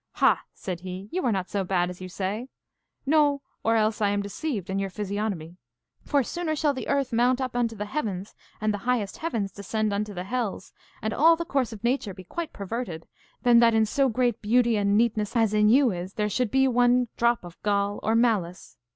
Ha, said he, you are not so bad as you say no, or else I am deceived in your physiognomy. For sooner shall the earth mount up unto the heavens, and the highest heavens descend unto the hells, and all the course of nature be quite perverted, than that in so great beauty and neatness as in you is there should be one drop of gall or malice.